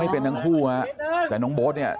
เป็นทั้งคู่ฮะแต่น้องโบ๊ทเนี่ย